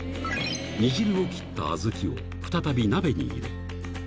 煮汁を切った小豆を、再び鍋に入れ。